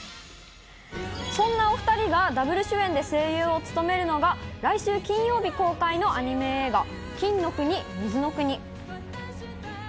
そんなお２人がダブル主演で声優を務めるのが、来週金曜日公開のアニメ映画、金の国水の国。